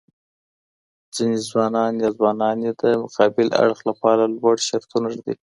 ځيني ځوانان يا ځواناني د مقابل اړخ لپاره لوړ شرطونه ږدي